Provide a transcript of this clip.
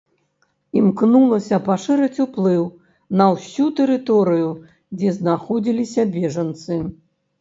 Імкнулася пашырыць уплыў на ўсю тэрыторыю, дзе знаходзіліся бежанцы.